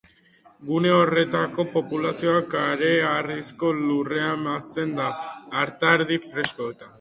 Gune horretako populazioa kareharrizko lurrean hazten da, artadi freskoetan.